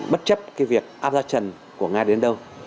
bất chấp cái việc áp giá trần của nga đến đâu